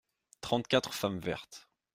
Trente-quatre femmes vertes.